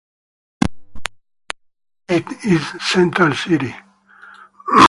Its county seat is Central City.